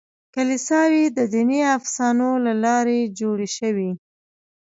کلیساوې د دیني افسانو له لارې جوړې شوې.